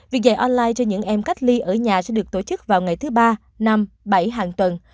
việc dạy online cho những em cách ly ở nhà sẽ được tổ chức vào ngày thứ ba năm bảy hàng tuần